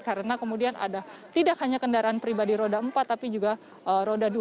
karena kemudian ada tidak hanya kendaraan pribadi roda empat tapi juga roda dua